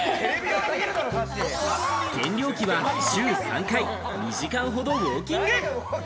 減量期は週３回、２時間ほどウオーキング。